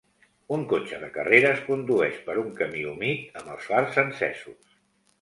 Un cotxe de carreres condueix per un camí humit amb els fars encesos.